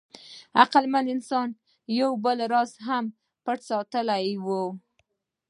عقلمن انسان یو بل راز هم پټ ساتلی و.